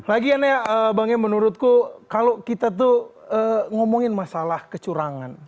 lagian ya bang em menurutku kalau kita tuh ngomongin masalah kecurangan